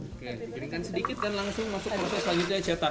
oke keringkan sedikit dan langsung masuk proses lanjutnya cetak